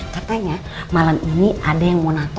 katanya malam ini ada yang mau natal